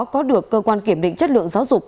có được cơ quan kiểm định chất lượng giáo dục